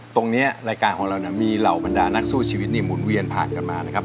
ตรงนี้รายการของเรามีเหล่าบรรดานักสู้ชีวิตหมุนเวียนผ่านกันมานะครับ